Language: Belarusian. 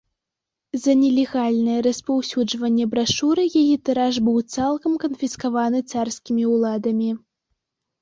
За нелегальнае распаўсюджванне брашуры яе тыраж быў цалкам канфіскаваны царскімі ўладамі.